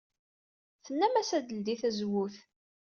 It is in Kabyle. Tennam-as ad teldey tazewwut.